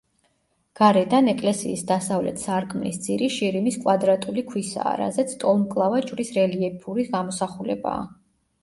გარედან ეკლესიის დასავლეთ სარკმლის ძირი შირიმის კვადრატული ქვისაა, რაზეც ტოლმკლავა ჯვრის რელიეფური გამოსახულებაა.